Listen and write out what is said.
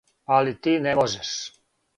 Али ти не можеш.